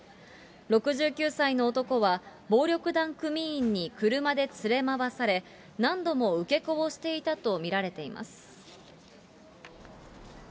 ６９歳の男は、暴力団組員に車で連れ回され、何度も受け子をしていたと見られています。